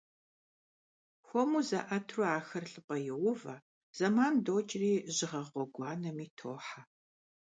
Хуэму заIэтурэ ахэр лIыпIэ йоувэ, зэман докIри жьыгъэ гъуэгуанэми тохьэ.